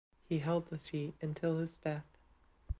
He held the seat until his death.